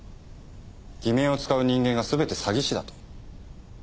偽名を使う人間が全て詐欺師だと？